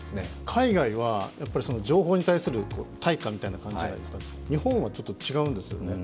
海外は、情報に対する対価みたいな感じですが、日本はちょっと違うんですよね。